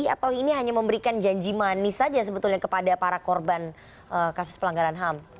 atau ini hanya memberikan janji manis saja sebetulnya kepada para korban kasus pelanggaran ham